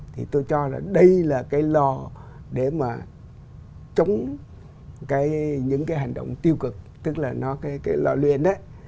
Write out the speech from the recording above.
thì tôi cho là đây là cái lò để mà chống những cái hành động tiêu cực tức là nó là cái lò luyện đấy